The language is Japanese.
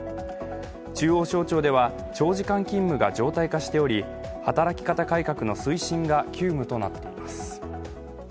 中央省庁では長時間勤務が常態化しており働き方改革の推進が急務となっています。